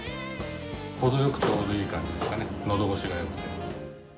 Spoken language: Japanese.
程よくちょうどいい感じですかね、のど越しがよくて。